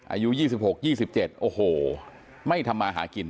อายุ๒๖๒๗โอ้โหไม่ทำมาหากิน